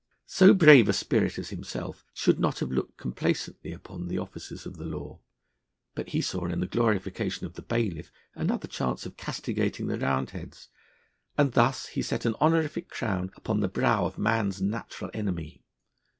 So brave a spirit as himself should not have looked complacently upon the officers of the law, but he saw in the glorification of the bayliff another chance of castigating the Roundheads, and thus he set an honorific crown upon the brow of man's natural enemy.